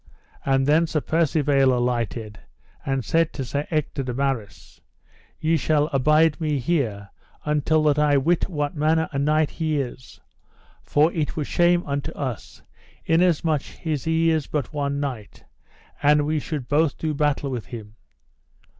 And then Sir Percivale alighted, and said to Sir Ector de Maris: Ye shall abide me here until that I wit what manner a knight he is; for it were shame unto us, inasmuch as he is but one knight, an we should both do battle with him.